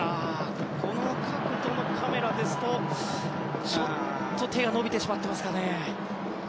この角度のカメラですとちょっと手が伸びてしまってますかね。